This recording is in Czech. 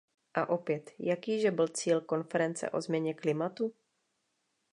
A opět, jaký že byl cíl konference o změně klimatu?